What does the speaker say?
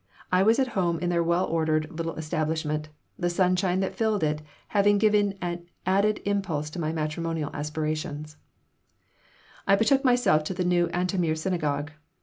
I was at home in their well ordered little establishment, the sunshine that filled it having given an added impulse to my matrimonial aspirations I betook myself to the new Antomir Synagogue.